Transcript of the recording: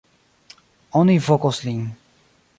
Oni vokos lin.